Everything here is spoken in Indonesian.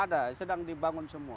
ada sedang dibangun semua